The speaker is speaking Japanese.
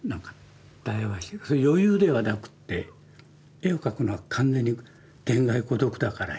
余裕ではなくって絵を描くのは完全に天涯孤独だから。